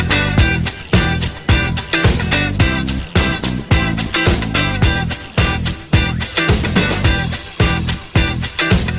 ไม่มีค่ะไม่มีวันหยุดนะครับถ้าเผยแวะมากับมะขันเพชรก็ลองมาทานดูนะครับผมค่ะ